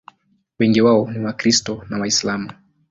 Wengi wao ni Wakristo na Waislamu.